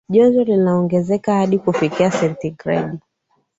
joto linaongezeka hadi kufikia senti gradi